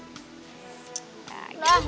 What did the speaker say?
gak gitu dong